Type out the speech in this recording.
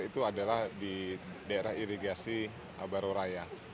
itu adalah di daerah irigasi baro raya